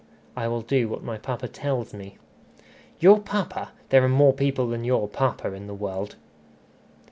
"I will do what my papa tells me." "Your papa! There are more people than your papa in the world."